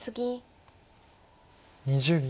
２０秒。